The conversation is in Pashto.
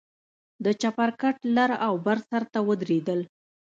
د چپرکټ لر او بر سر ته ودرېدل.